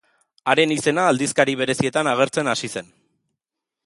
Haren izena aldizkari berezietan agertzen hasi zen.